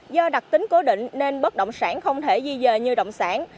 do đặc tính cố định nên bất động sản không thể di dời như động sản